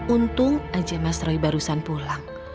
untung aja mas roy barusan pulang